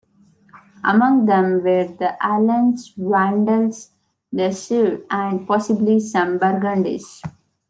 Among them were the Alans, Vandals, the Suevi, and possibly some Burgundians.